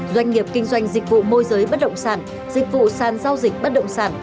doanh nghiệp kinh doanh dịch vụ môi giới bất động sản dịch vụ sàn giao dịch bất động sản